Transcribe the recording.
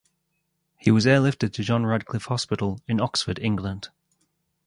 He was airlifted to John Radcliffe Hospital in Oxford, England.